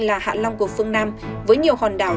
là hạ long của phương nam với nhiều hòn đảo